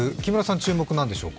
注目は何でしょうか？